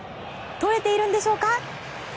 とれているんでしょうか。